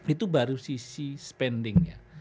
itu baru sisi spendingnya